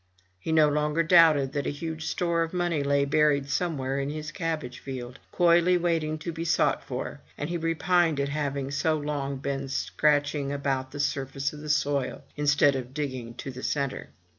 He no longer doubted that a huge store of money lay buried somewhere in his cabbage field, coyly waiting to be sought for; and he repined at having so long been scratching about the surface of the soil instead of digging to the centre.